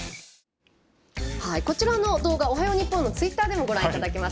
こちらの動画「おはよう日本」のツイッターでもご覧いただけます。